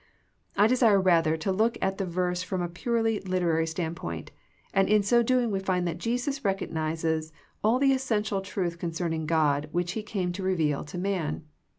I desire rather to look at the verse from a purely literary standpoint, and in so doing we find that Jesus recognizes all the essential truth concerning God which He came to reveal to man.